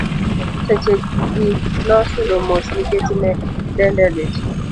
seche gi nosudo mos nikech ne dende lit